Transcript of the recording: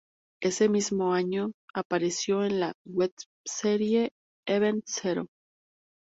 Ese mismo año apareció en la webserie "Event Zero".